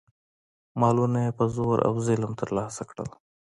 مالونه یې په زور او ظلم ترلاسه کړل.